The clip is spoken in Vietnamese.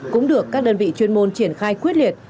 cũng được các đơn vị chuyên môn triển khai quyết liệt